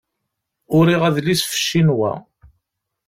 Uriɣ adlis ɣef Ccinwa.